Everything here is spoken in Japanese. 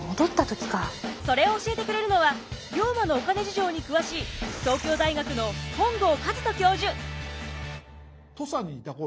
それを教えてくれるのは龍馬のお金事情に詳しい東京大学の本郷和人教授！